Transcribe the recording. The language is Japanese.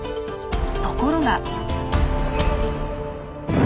ところが！